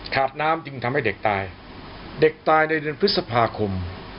น้ำจึงทำให้เด็กตายเด็กตายในเดือนพฤษภาคม